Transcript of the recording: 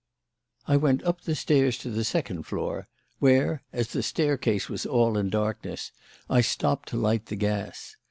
"I went up the stairs to the second floor, where, as the staircase was all in darkness, I stopped to light the gas.